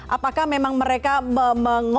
apakah memang mereka mengolok